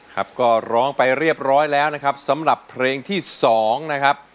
ครับก็ร้องไปเรียบร้อยแล้วนะครับสำหรับเพลงที่๒นะครับ